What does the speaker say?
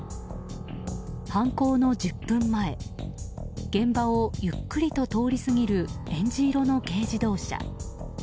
犯行の１０分前現場をゆっくりと通り過ぎるえんじ色の軽自動車。